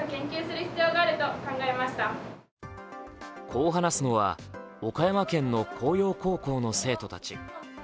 こう話すのは岡山県の興陽高校の生徒たち。